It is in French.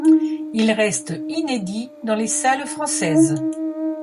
Il reste inédit dans les salles françaises.